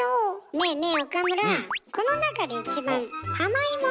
ねえねえ岡村。